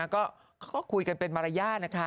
ก็คุยกันเป็นมารยาท